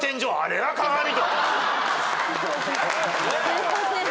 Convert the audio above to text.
すいません。